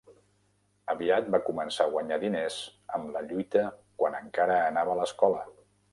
Aviat va començar a guanyar diners amb la lluita quan encara anava a l'escola.